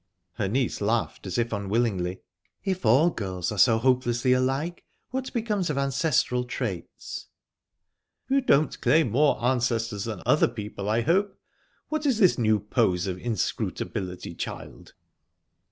Her niece laughed, as if unwillingly. "If all girls are so hopelessly alike, what becomes of ancestral traits?" "You don't claim more ancestors than other people, I hope? What is this new pose of inscrutability, child?"